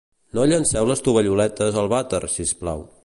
No llenceu les tovalloletes al vàter sisplau